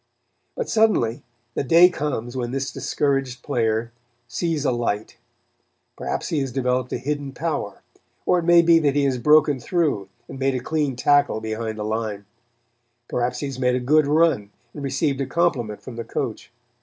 But suddenly the day comes when this discouraged player sees a light. Perhaps he has developed a hidden power, or it may be that he has broken through and made a clean tackle behind the line; perhaps he has made a good run and received a compliment from the coach.